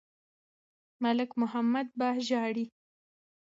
ملک محمد به ژاړي.